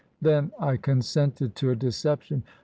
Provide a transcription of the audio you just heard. Then I consented to a deception.